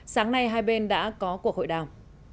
sáng nay hai bên đã có cuộc hội đàm